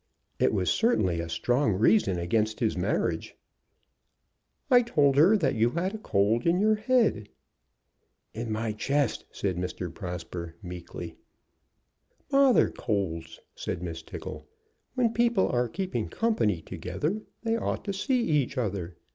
It was certainly a strong reason against his marriage. "I told her that you had a cold in your head." "In my chest," said Mr. Prosper, meekly. "'Bother colds!' said Miss Tickle. 'When people are keeping company together they ought to see each other.'